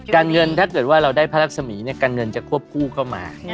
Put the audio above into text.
การเงินถ้าเกิดว่าเราได้พระรักษมีการเงินจะควบคู่เข้ามา